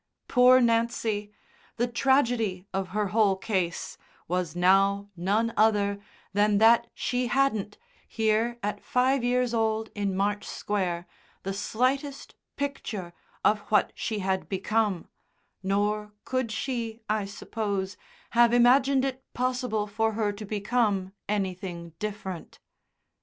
Poor Nancy! The tragedy of her whole case was now none other than that she hadn't, here at five years old in March Square, the slightest picture of what she had become, nor could she, I suppose, have imagined it possible for her to become anything different.